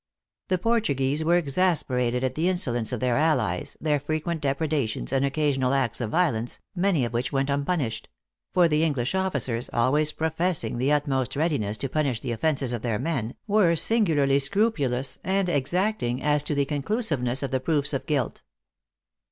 The Portuguese were exasperated at the insolence of their allies, their frequent depredations and occasional acts of violence, many of which went unpunished ; for the English officers, always professing the utmost rea diness to punish the offences of their men, were singu larly scrupulous and exacting as to the collusiveness of the proofs of guilt.